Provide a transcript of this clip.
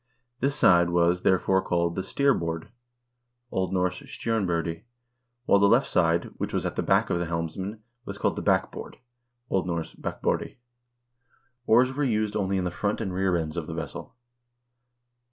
This side was, there fore, called the steerboard (O. N. stjornbordi), while the left side, which was at the back of the helmsman, was called the backboard (O. N. bakbordi). Oars were used only in the front and rear ends of the vessel.